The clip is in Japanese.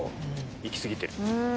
行き過ぎてる？